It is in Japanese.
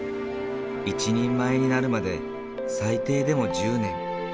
一人前になるまで最低でも１０年。